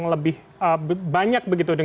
lebih banyak begitu